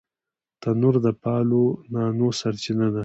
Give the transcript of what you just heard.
تنور د پالو نانو سرچینه ده